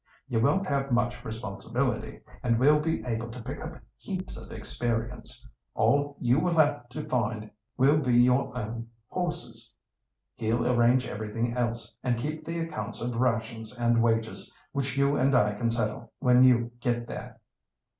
You won't have much responsibility, and will be able to pick up heaps of experience. All you will have to find will be your own horses. He'll arrange everything else and keep the accounts of rations and wages, which you and I can settle when you get there."